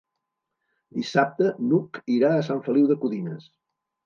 Dissabte n'Hug irà a Sant Feliu de Codines.